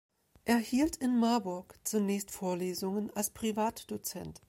Er hielt in Marburg zunächst Vorlesungen als Privatdozent.